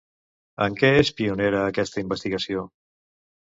En què és pionera aquesta investigació?